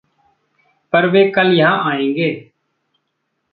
पर वे कल यहाँ आएँगे।